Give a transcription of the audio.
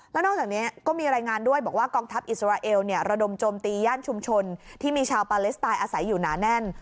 แล้วนอกจากนี้ก็มีรายงานด้วยบอกว่ากองทัพอิสราเอลระดมโจมตีย่านชุมชนที่มีชาวปาเลสไตน์อาศัยอยู่หนาแน่น